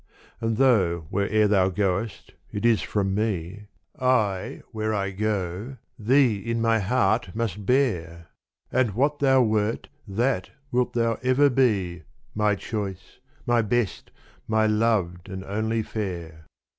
And though where'er thou goest it is from me, I where I go thee in my heart must bear : And what thou wert that wilt thou ever be, My choice, my best, my loved and only fair.